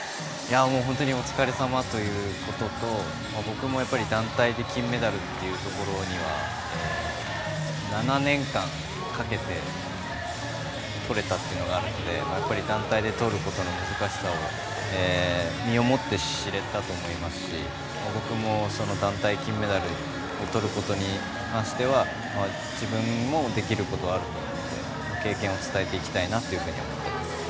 本当にお疲れさまということと僕も、団体で金メダルというところには７年間かけてとれたっていうのがあるのでやっぱり団体でとることの難しさを身をもって知れたと思いますし僕も団体で金メダルをとることに関しては自分もできることはあると思って経験を伝えていきたいなと思っています。